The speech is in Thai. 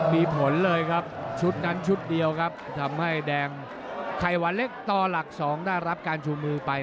มีผลเลยครับชุดนั้นชุดเดียวครับทำให้แดงไข่หวานเล็กต่อหลัก๒ได้รับการชูมือไป